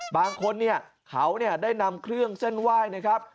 บางคนเนี่ยเขาได้นำเครื่องเส้นไหว้นะครับ